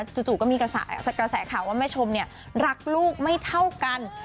จู่ก็มีกระแสข่าวว่าแม่ชมเนี่ยรักลูกไม่เท่ากัน